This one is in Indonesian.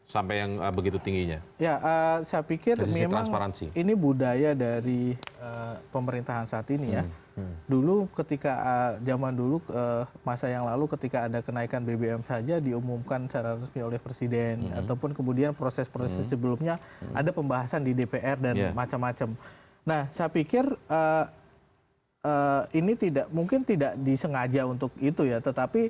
sampai jumpa di video selanjutnya